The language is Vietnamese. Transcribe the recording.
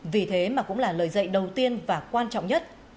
vì thế mà cũng là lời dạy đầu tiên và quan trọng nhất